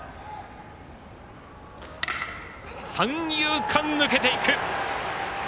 三遊間、抜けていく！